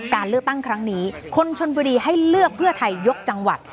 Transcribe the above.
การเลือกตั้งครั้งนี้คนชนบุรีให้เลือกเพื่อไทยยกจังหวัด